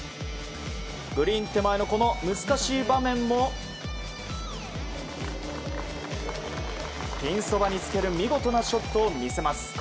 グリーン手前の難しい場面もピンそばにつける見事なショットを見せます。